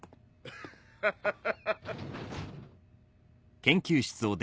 ハハハハ。